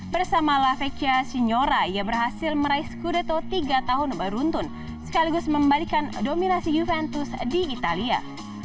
bersama laveccia sinyora ia berhasil meraih skudeto tiga tahun beruntun sekaligus membalikan dominasi juventus di italia